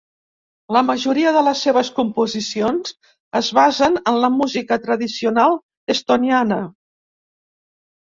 La majoria de les seves composicions es basen en la música tradicional estoniana.